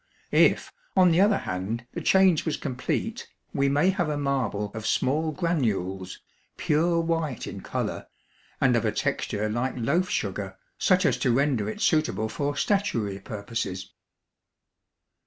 If, on the other hand, the change was complete, we may have a marble of small granules, pure white in color, and of a texture like loaf sugar, such as to render it suitable for statuary purposes.